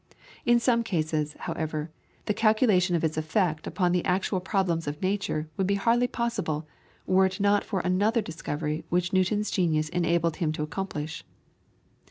In some cases, however, the calculation of its effect upon the actual problems of nature would be hardly possible, were it not for another discovery which Newton's genius enabled him to accomplish.